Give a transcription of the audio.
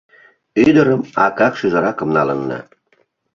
— Ӱдырым акак-шӱжаракым налына!